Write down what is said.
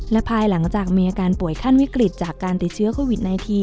และภายหลังจากมีอาการป่วยขั้นวิกฤตจากการติดเชื้อโควิด๑๙